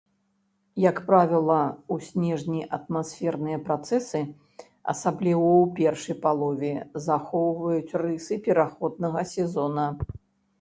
Як правіла, у снежні атмасферныя працэсы, асабліва ў першай палове, захоўваюць рысы пераходнага сезона.